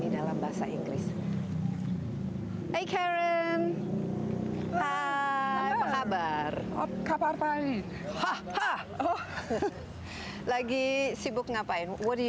dan juga olimpiade